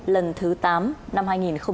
lần thứ tám năm hai nghìn một mươi chín